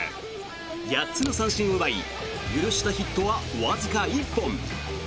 ８つの三振を奪い許したヒットはわずか１本。